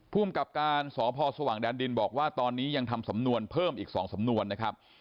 ภูมิกับการสพสว่างแดนดินบอกว่าตอนนี้ยังทำสำนวนเพิ่มอีก๒สำนวนนะครับ